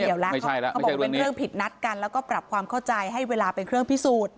เขาบอกเป็นเรื่องผิดนัดกันแล้วก็ปรับความเข้าใจให้เวลาเป็นเครื่องพิสูจน์